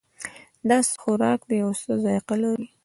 دا څه خوراک ده او څه ذائقه لري